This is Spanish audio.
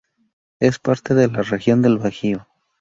Es parte de la región del Bajío.